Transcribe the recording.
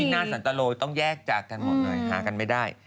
หน้าสันตะโลต้องแยกจากกันหมดเลยหากันไม่ได้